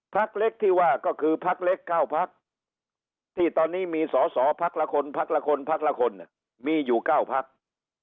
ภักดิ์เล็กที่ว่าก็คือภักดิ์เล็กเก้าภักดิ์ที่ตอนนี้มีสอภักดิ์ละคนภักดิ์ละคนภักดิ์ละคนมีอยู่เก้าภักดิ์